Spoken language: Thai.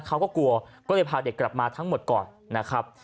เขาก็กลัวก็เลยพาเด็กกลับมาทั้งหมดก่อนนะครับ